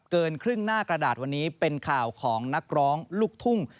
เกินครึ่งหน้ากระดาษวันนี้เป็นข่าวของนักร้องลูกทุ่ง